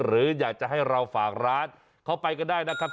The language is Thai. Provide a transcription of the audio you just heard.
หรืออยากจะให้เราฝากร้านเข้าไปกันได้นะครับ